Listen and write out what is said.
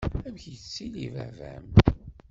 Amek yettili baba-m?